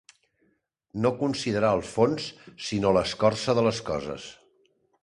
No considerar el fons, sinó l'escorça de les coses.